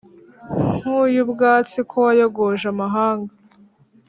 nkuyubwatsi ko wayogoje amahanga,